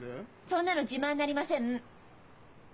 そんなの自慢になりません。